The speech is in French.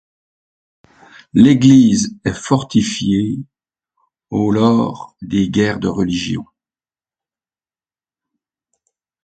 L'église est fortifiée au lors des guerres de Religion.